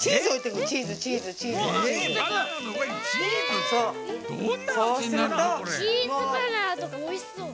チーズバナナとかおいしそう。